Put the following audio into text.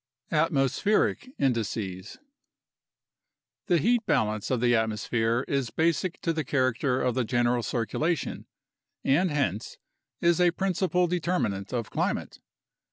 Atmospheric Indices The heat balance of the atmosphere is basic to the character of the general circulation and hence is a principal de terminant of climate.